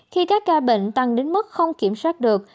khi các ca bệnh tăng đến mức không kiểm soát được